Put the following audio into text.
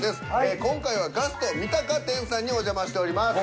今回は「ガスト三鷹店」さんにお邪魔しております。